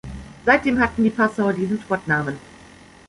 Seitdem hatten die Passauer diesen Spottnamen.